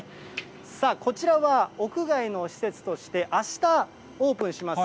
さあ、こちらは屋外の施設として、あしたオープンします